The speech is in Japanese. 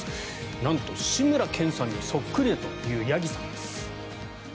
なんと、志村けんさんにそっくりだというヤギさんです。